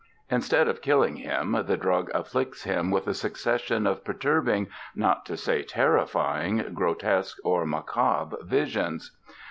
Instead of killing him the drug afflicts him with a succession of perturbing, not to say terrifying, grotesque or macabre visions.